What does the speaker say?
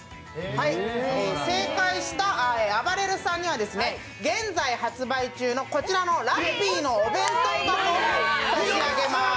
正解したあばれるさんには現在発売中のこちらのラッピーのお弁当箱を差し上げます。